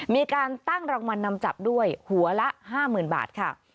มีการตั้งรางวัลนำจับด้วยหัวละ๕๐๐๐บาทค่ะ